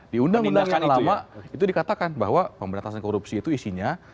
di undang undang yang lama itu dikatakan bahwa pemberantasan korupsi itu isinya